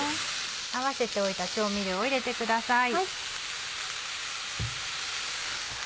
合わせておいた調味料を入れてください。